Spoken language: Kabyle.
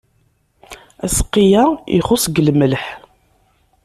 Aseqqi-a ixuṣṣ deg lemleḥ.